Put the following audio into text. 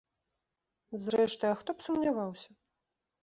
Зрэшты, а хто б сумняваўся?